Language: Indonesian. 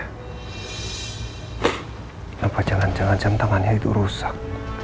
kenapa jangan jangan jam tangannya itu rusak